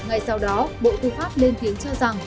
ngày sau đó bộ thủ pháp lên tiếng cho rằng